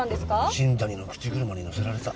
新谷の口車に乗せられた。